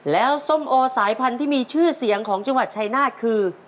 แล้วส้มโอสายพันธุ์ที่มีชื่อเสียงของจังหวัดชายนาฏคือ